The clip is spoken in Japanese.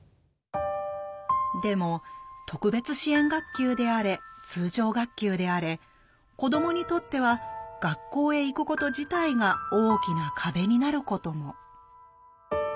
でも特別支援学級であれ通常学級であれ子どもにとっては学校へ行くこと自体が大きな壁になることも。